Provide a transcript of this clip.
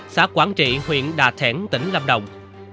xã quảng trị huyện đà thẻn tỉnh lâm đồng